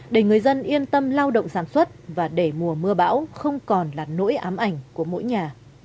để người dân yên tâm lao động sản xuất và để mùa mưa bão không còn là nỗi ám ảnh của mỗi nhà